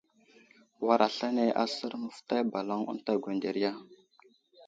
War aslane aser məfətay baloŋ ənta gwənderiya.